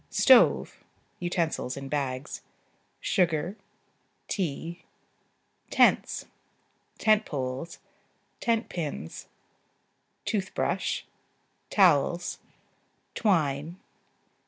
Stove (utensils in bags). Sugar. Tea. Tents. " poles. " pins. Tooth brush. Towels. Twine.